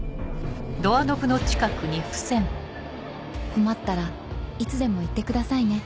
「困ったらいつでも言ってくださいね。